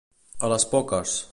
A les poques.